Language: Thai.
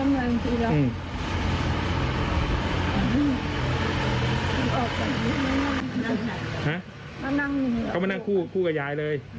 นั่งด้วยฮะก็นั่งคนหนึ่งเขามานั่งคู่กับยายเลย